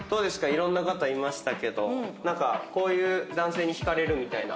いろんな方いましたけどこういう男性に惹かれるみたいな。